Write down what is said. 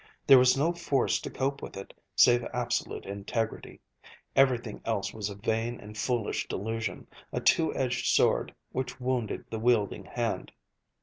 There was no force to cope with it, save absolute integrity. Everything else was a vain and foolish delusion, a two edged sword which wounded the wielding hand.